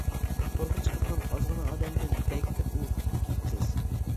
تورغا چىقىدىغان ئازغىنە ئادەمدىن بەك كۆپ ئۈمىد كۈتۈپ كېتىپسىز.